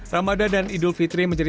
ramadan dan idul fitri menjadi